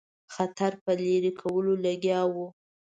خطر په لیري کولو لګیا وو.